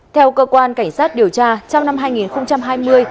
theo cơ quan cảnh sát điều tra trong năm hai nghìn hai mươi